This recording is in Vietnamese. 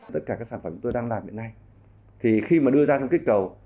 tất cả các sản phẩm tôi đang làm hiện nay khi mà đưa ra trong kích cầu